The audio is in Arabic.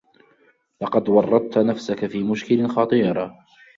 لقد ورّطت نفسك في مشكل خطير.